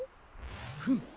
フム。